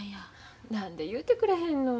何で言うてくれへんのん。